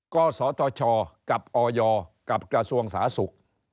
๑ก็สตชกับอยกับกระทรวงศาสุข